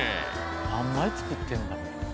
何枚作ってるんだろう。